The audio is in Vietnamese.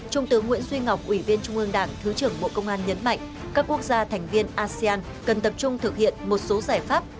trung tướng nguyễn duy ngọc ủy viên trung ương đảng thứ trưởng bộ công an nhấn mạnh các quốc gia thành viên asean cần tập trung thực hiện một số giải pháp